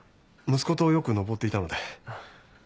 息子とよく登っていたので。